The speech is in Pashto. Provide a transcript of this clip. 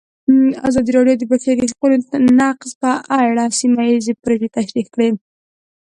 ازادي راډیو د د بشري حقونو نقض په اړه سیمه ییزې پروژې تشریح کړې.